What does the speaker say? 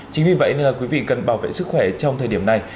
chính vì vậy nên là quý vị cần bảo vệ sức khỏe trong thời điểm này